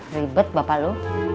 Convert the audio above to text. ribet bapak lo